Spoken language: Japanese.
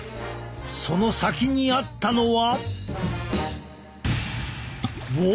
その先にあったのは。